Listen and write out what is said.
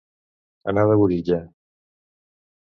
Anar de burilla.